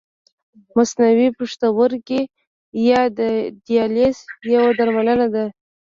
مصنوعي پښتورګی یا دیالیز یوه درملنه ده.